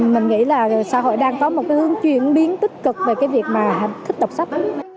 mình nghĩ là xã hội đang có một cái hướng chuyển biến tích cực về cái việc mà thích đọc sách